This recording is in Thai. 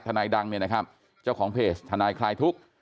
นายดังเนี่ยนะครับเจ้าของเพจทนายคลายทุกข์